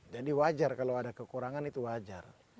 jadi wajar kalau ada kekurangan itu wajar